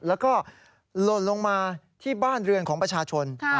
แล้วก็หล่นลงมาที่บ้านเรือนของประชาชน